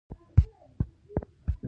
د نجونو تعلیم د نوښت او اختراع هڅوي.